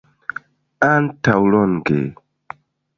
Antaŭ longe.